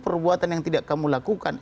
perbuatan yang tidak kamu lakukan